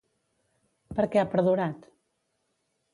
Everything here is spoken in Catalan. Per què ha perdurat?